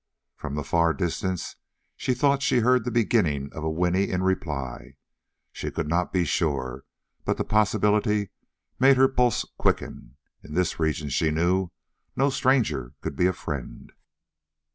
From the far distance she thought she heard the beginning of a whinny in reply. She could not be sure, but the possibility made her pulse quicken. In this region, she knew, no stranger could be a friend.